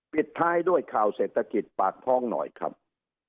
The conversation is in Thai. ปิดท้ายด้วยข่าวเศรษฐกิจปากท้องหน่อยครับ